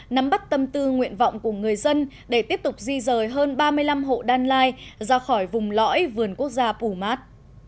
nắm bắt tâm tư nguyện vọng của người dân để tiếp tục di rời hơn ba mươi năm hộ đan lai ra khỏi vùng lõi vườn quốc gia pù mát